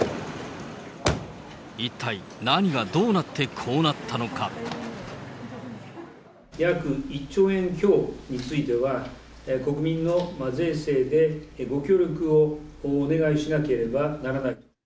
一体、何がどうなってこうな約１兆円強については、国民の税制でご協力をお願いしなければならない。